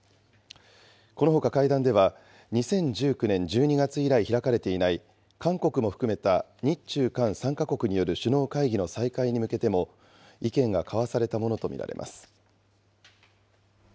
このほか、会談では、２０１９年１２月以来開かれていない韓国も含めた日中韓３か国による首脳会議の再開に向けても意見が交わされたものと見られます。